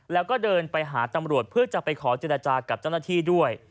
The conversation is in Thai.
แล้วก็เดินไปหาตำรวจเพื่อจะไปขอเจรจากับเจ้าหน้าที่ด้วย